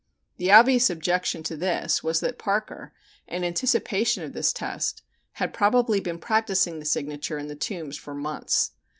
The obvious objection to this was that Parker, in anticipation of this test, had probably been practicing the signature in the Tombs for months.